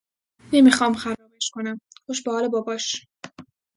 نمیخوام خرابش کنم. خوش به حال باباش